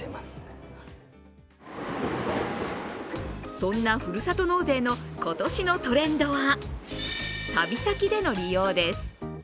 そんなふるさと納税の今年のトレンドは旅先での利用です。